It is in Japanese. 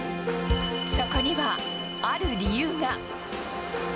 そこには、ある理由が。